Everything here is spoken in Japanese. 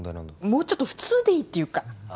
もうちょっと普通でいいっていうかはっ？